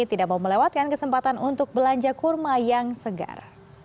tidak mau melewatkan kesempatan untuk belanja kurma yang segar